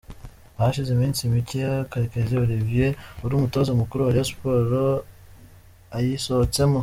Hashize iminsi mike Karekezi Olivier wari umutoza mukuru wa Rayon Sports ayisohotsemo.